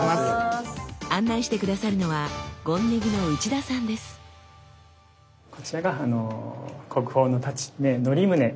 案内して下さるのはこちらが国宝の太刀「銘則宗」でございます。